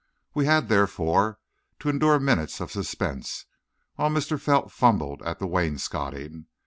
We had, therefore, to endure minutes of suspense while Mr. Felt fumbled at the wainscoting.